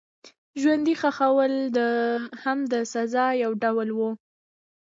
ژوندي ښخول هم د سزا یو ډول و.